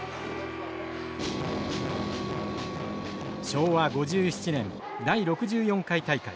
昭和５７年第６４回大会。